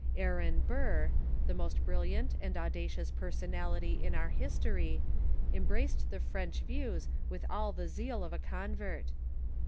Aaron Burr, the most brilliant and audacious personality in our history, embraced the French views with all the zeal of a convert.